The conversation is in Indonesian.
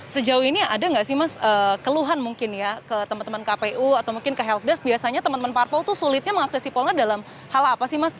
sejauh ini ada nggak sih mas keluhan mungkin ya ke teman teman kpu atau mungkin ke heldesk biasanya teman teman parpol itu sulitnya mengakses sipolnya dalam hal apa sih mas